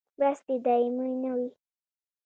مرستې دایمي نه وي